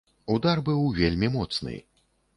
Удар быў вельмі моцны.